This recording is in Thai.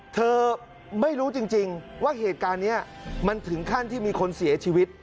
เธอไม่รู้จริงว่าเหตุการณ์นี้มันถึงขั้นที่มีคนเสียชีวิต